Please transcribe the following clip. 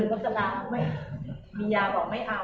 หรือเป็นอะไรที่คุณต้องการให้ดู